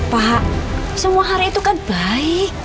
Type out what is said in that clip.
pak semua hari itu kan baik